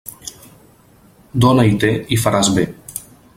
Dóna i té, i faràs bé.